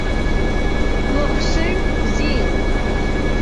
Лыхшыҩ бзиан.